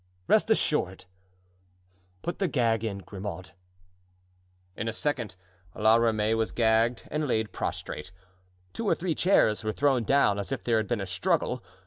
"Rest assured; put the gag in, Grimaud." In a second La Ramee was gagged and laid prostrate. Two or three chairs were thrown down as if there had been a struggle.